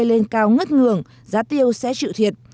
lên cao ngất ngường giá tiêu sẽ chịu thiệt